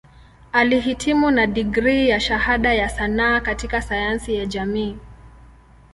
Alihitimu na digrii ya Shahada ya Sanaa katika Sayansi ya Jamii.